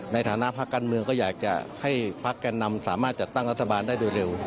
ในฐานะภาคการเมืองก็อยากจะให้พักแก่นำสามารถจัดตั้งรัฐบาลได้โดยเร็ว